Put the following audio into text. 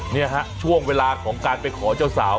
นี่ฮะช่วงเวลาของการไปขอเจ้าสาว